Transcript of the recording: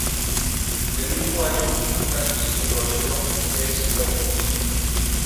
El mismo año publica su segundo libro, "Seis Cuentos".